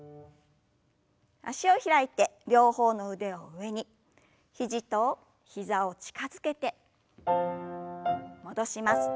脚を開いて両方の腕を上に肘と膝を近づけて戻します。